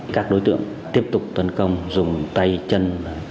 các đối tượng tiếp tục tấn công dùng tay chân